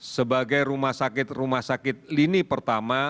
sebagai rumah sakit rumah sakit lini pertama